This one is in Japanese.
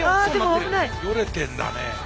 よれてんだね。